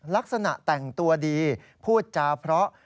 ลักษณะแต่งตัวดีพูดจาเพราะ